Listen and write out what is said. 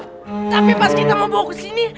tapi pas kita mau bawa kesini